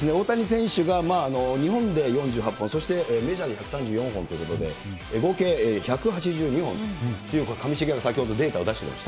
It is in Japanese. ホームランの数はさすがもう、神様ですね、現在、大谷選手が日本で４８本、そしてメジャーで１３４本ということで、合計１８２本という、上重が先ほどデータを出してくれました。